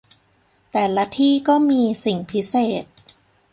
แต่ละที่ก็มี 'สิ่งพิเศษ'